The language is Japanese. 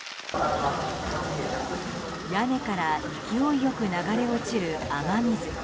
屋根から勢いよく流れ落ちる雨水。